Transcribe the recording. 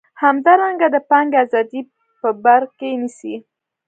همدارنګه د پانګې ازادي په بر کې نیسي.